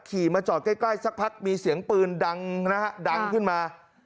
ขี่มาจอดใกล้สักพักมีเสียงปืนดังนะฮะดังขึ้นมา